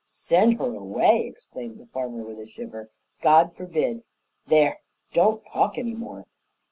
"Send her away!" exclaimed the farmer, with a shiver. "God forbid! There, don't talk any more!"